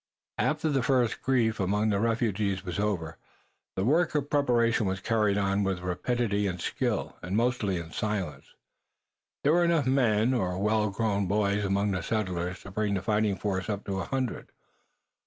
After the first grief among the refugees was over the work of preparation was carried on with rapidity and skill, and mostly in silence. There were enough men or well grown boys among the settlers to bring the fighting force up to a hundred.